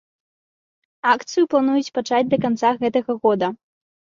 Акцыю плануюць пачаць да канца гэтага года.